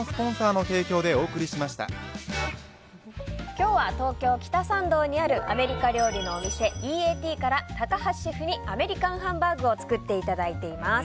今日は東京・北参道にあるアメリカ料理のお店Ｅ・Ａ・Ｔから高橋シェフにアメリカンハンバーグを作っていただいています。